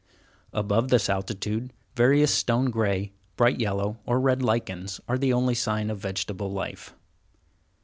Above this altitude, various stone gray, bright yellow, or red lichens, are the only sign of vegetable life.